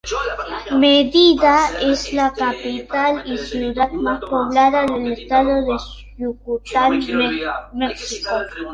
Mérida es la capital y ciudad más poblada del estado de Yucatán, México.